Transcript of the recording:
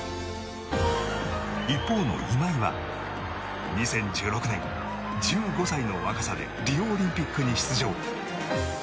一方の今井は、２０１６年１５歳の若さでリオオリンピックに出場。